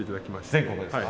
全国ですか？